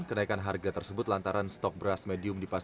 kenaikan harga tersebut lantaran stok beras medium diperlukan